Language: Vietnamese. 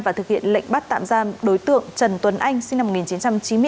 và thực hiện lệnh bắt tạm giam đối tượng trần tuấn anh sinh năm một nghìn chín trăm chín mươi bốn